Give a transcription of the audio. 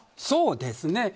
そうですね。